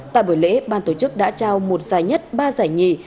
tại buổi lễ ban tổ chức đã trao một giải nhất ba giải nhì